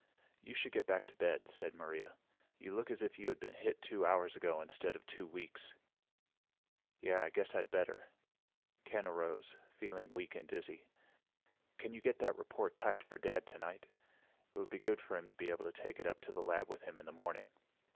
"You should get back to bed," said Maria. "You look as if you had been hit two hours ago instead of two weeks." "Yeah, I guess I'd better." Ken arose, feeling weak and dizzy. "Can you get that report typed for Dad tonight? It would be good for him to be able to take it to the lab with him in the morning."